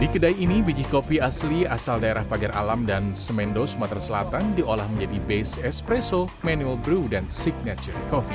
di kedai ini biji kopi asli asal daerah pagar alam dan semendo sumatera selatan diolah menjadi base espresso manual bree dan signature coffee